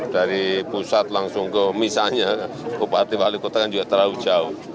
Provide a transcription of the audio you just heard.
dari pusat langsung ke misalnya kepala ketua umum partai kebangkitan bangsa pkb juga terlalu jauh